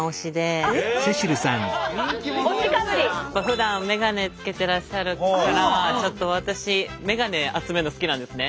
ふだんメガネつけてらっしゃるからちょっと私メガネ集めるの好きなんですね。